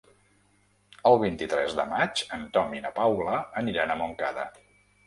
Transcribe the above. El vint-i-tres de maig en Tom i na Paula aniran a Montcada.